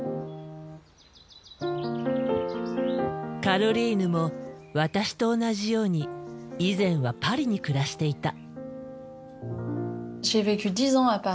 カロリーヌも私と同じように以前はパリに暮らしていた。